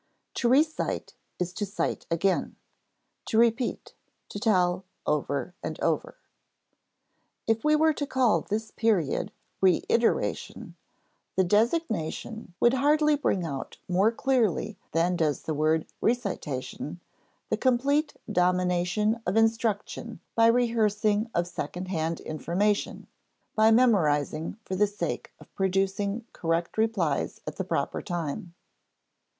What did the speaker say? To re cite is to cite again, to repeat, to tell over and over. If we were to call this period reiteration, the designation would hardly bring out more clearly than does the word recitation, the complete domination of instruction by rehearsing of secondhand information, by memorizing for the sake of producing correct replies at the proper time.